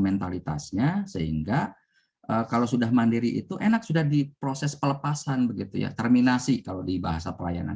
mentalitasnya sehingga kalau sudah mandiri itu enak sudah di proses pelepasan begitu ya terminasi kalau di bahasa pelayanan